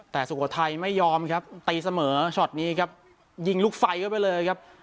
แต่สุโขทัยไม่ยอมครับตีเสมอช็อตนี้ครับยิงลูกไฟเข้าไปเลยครับ